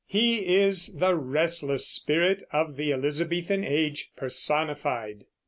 He is the restless spirit of the Elizabethan Age personified.